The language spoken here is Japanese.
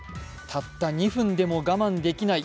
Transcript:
たった２分でも我慢できない